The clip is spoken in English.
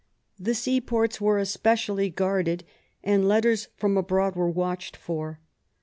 The seaports were especi ally guarded, and letters from abroad were watched for.